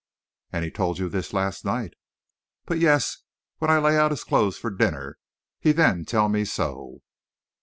"And he told you this last night?" "But yes. When I lay out his clothes for dinner, he then tell me so."